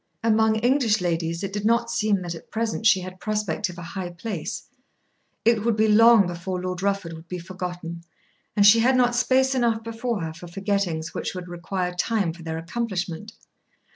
Among English ladies it did not seem that at present she had prospect of a high place. It would be long before Lord Rufford would be forgotten, and she had not space enough before her for forgettings which would require time for their accomplishment.